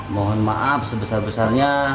mohon maaf sebesar besarnya